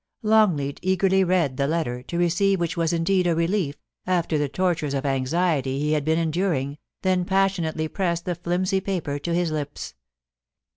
Longleat eagerly read the letter, to receive which was indeed a relief, after the tortures of anxiety he had been en during, then passionately pressed the flimsy paper to his lips.